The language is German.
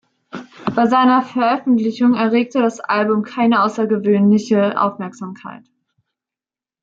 Bei seiner Veröffentlichung erregte das Album keine außergewöhnliche Aufmerksamkeit.